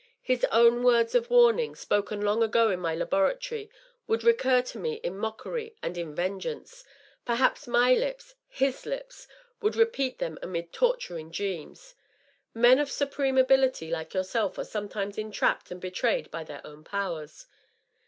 His own words of warning, spoken long ago in my laboratory, would recur to me in mockery and in vengeance; perhaps my lips — his lips — would repeat them amid torturing dreams :^^ Men of supreme ability ^ like yourself are sometimes entrapped and betrayed by Aeir own pofwers!